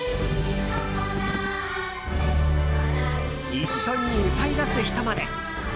一緒に歌い出す人まで。